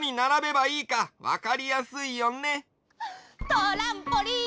トランポリン！